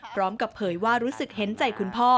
พร้อมกับเผยว่ารู้สึกเห็นใจคุณพ่อ